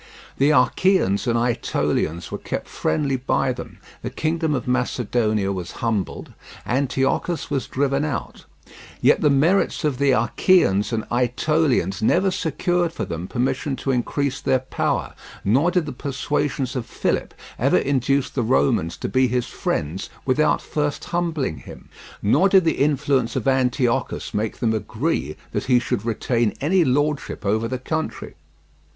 The Achaeans and Ætolians were kept friendly by them, the kingdom of Macedonia was humbled, Antiochus was driven out; yet the merits of the Achaeans and Ætolians never secured for them permission to increase their power, nor did the persuasions of Philip ever induce the Romans to be his friends without first humbling him, nor did the influence of Antiochus make them agree that he should retain any lordship over the country.